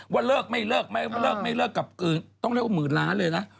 ว่าเลิกไม่เลิกกับคือต้องเรียกว่าหมื่นล้านเลยนะ